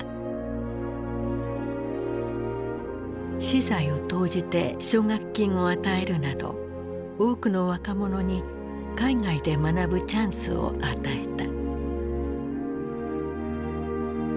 私財を投じて奨学金を与えるなど多くの若者に海外で学ぶチャンスを与えた。